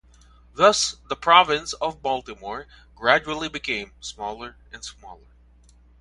Thus, the Province of Baltimore gradually became smaller and smaller.